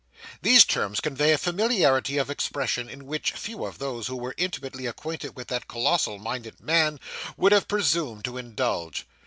These terms convey a familiarity of expression, in which few of those who were intimately acquainted with that colossal minded man, would have presumed to indulge.